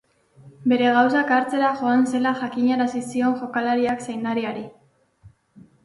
Bere gauzak hartzera joan zela jakinarazi zion jokalariak zaindariari.